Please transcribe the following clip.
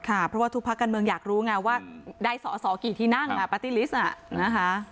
เพราะว่าทุกพักกันเมืองอยากรู้ไงว่าได้สอกี่ทีนั่งปาร์ติลิสต์